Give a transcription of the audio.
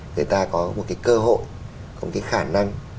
người ta có một cái cơ hội có một cái khả năng